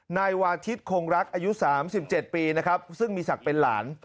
นายวาทิศคงรักอายุ๓๗ปีนะครับซึ่งมีศักดิ์เป็นหลาน